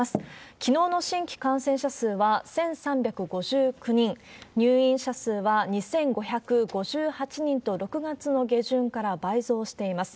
きのうの新規感染者数は１３５９人、入院者数は２５５８人と、６月の下旬から倍増しています。